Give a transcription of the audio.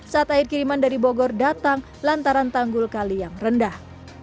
saat air kiriman dari bogor datang lantaran tanggul kali yang rendah